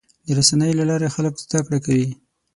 د رسنیو له لارې خلک زدهکړه کوي.